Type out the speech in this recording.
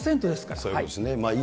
そういうことですね。